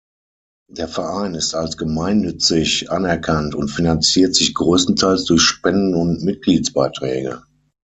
Der Verein ist als gemeinnützig anerkannt und finanziert sich größtenteils durch Spenden und Mitgliedsbeiträge.